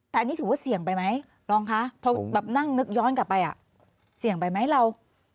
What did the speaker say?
แต่อันนี้ถือว่าเสี่ยงไปไหมรองคะพอแบบนั่งนึกย้อนกลับไปอ่ะเสี่ยงไปไหมเรา